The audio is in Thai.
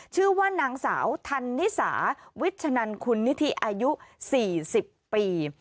ชื่อว่านางสาวธันนิสาวิชนันคุณนิธิอายุ๔๐ปี